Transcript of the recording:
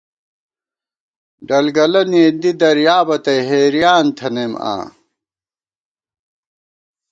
ڈل گَلہ ، نېندی ، دریابہ تئ حیریان تھنَئیم آں